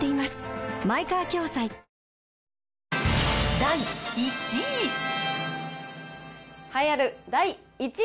第１位。